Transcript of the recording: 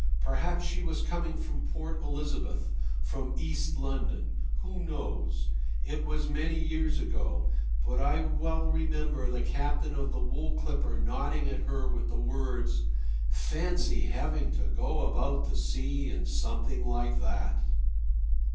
Perhaps she was coming from Port Elizabeth, from East London—who knows? It was many years ago, but I remember well the captain of the wool clipper nodding at her with the words, "Fancy having to go about the sea in a thing like that!"